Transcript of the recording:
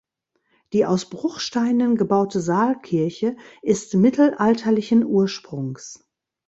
Die aus Bruchsteinen gebaute Saalkirche ist mittelalterlichen Ursprungs.